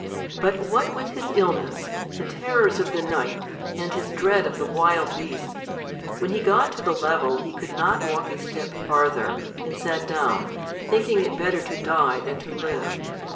But what with his illness, the terrors of the night, and his dread of the wild beasts, when he got to the level he could not walk a step farther, and sat down, thinking it better to die than to live.